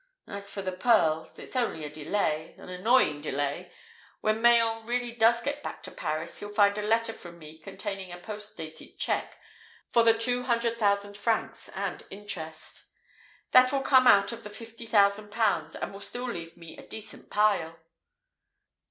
As for the pearls, it's only a delay an annoying delay. When Mayen really does get back to Paris, he'll find a letter from me containing a post dated cheque for the two hundred thousand francs, and interest. That will come out of the fifty thousand pounds, and still leave me a decent pile.